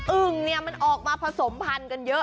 อึ่งเนี่ยมันออกมาผสมพันธุ์กันเยอะ